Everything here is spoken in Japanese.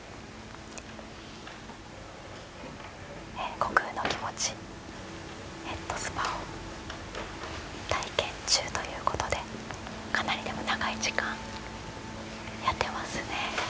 悟空のきもちヘッドスパを体験中ということでかなり長い時間やっていますね。